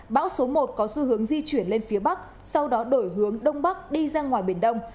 bão số một có xu hướng di chuyển lên phía bắc sau đó đổi hướng đông bắc đi ra ngoài biển đông